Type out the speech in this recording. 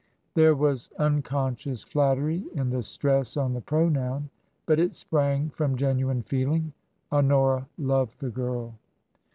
There was unconscious flattery in the stress on the pronoun. But it sprang from genuine feeling. Honora loved the girl.